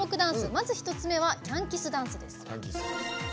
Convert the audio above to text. まず１つ目はキャンキスダンスです。